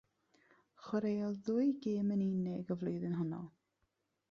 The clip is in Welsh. Chwaraeodd ddwy gêm yn unig y flwyddyn honno.